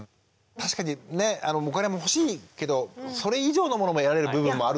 確かにねお金も欲しいけどそれ以上のものも得られる部分もあるっていう。